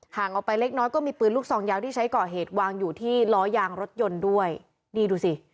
ออกไปเล็กน้อยก็มีปืนลูกซองยาวที่ใช้ก่อเหตุวางอยู่ที่ล้อยางรถยนต์ด้วยนี่ดูสิ